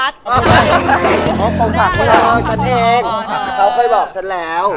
เธอค่อยบอกฉันแล้ว